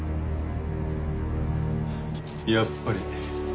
やっぱり。